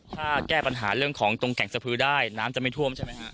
ถ้าแก้ปัญหาเรื่องของตรงแก่งสะพือได้น้ำจะไม่ท่วมใช่ไหมฮะ